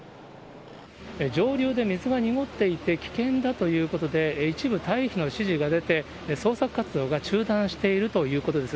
上流で水が濁っていて危険だということで、一部退避の指示が出て、捜索活動が中断しているということです。